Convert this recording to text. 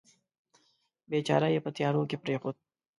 بیچاره یې په تیارو کې پرېښود.